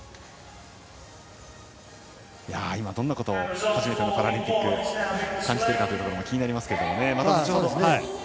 今、どんなことを初めてのパラリンピックで感じているかも気になりますが。